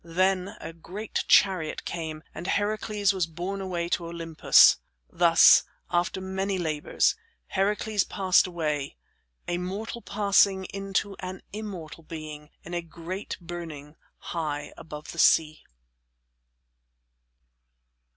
Then a great chariot came and Heracles was borne away to Olympus. Thus, after many labors, Heracles passed away, a mortal passing into an immortal being in a great burning high above the sea.